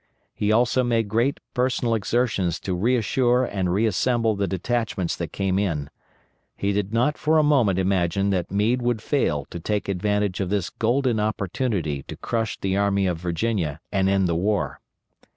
He also made great personal exertions to reassure and reassemble the detachments that came in. He did not for a moment imagine that Meade would fail to take advantage of this golden opportunity to crush the Army of Virginia and end the war.